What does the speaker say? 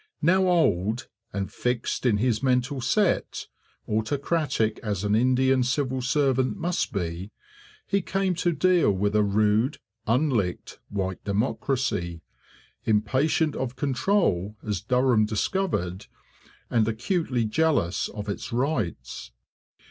Now old, and fixed in his mental set, autocratic as an Indian civil servant must be, he came to deal with a rude, unlicked, white democracy, impatient of control as Durham discovered, and acutely jealous of its rights.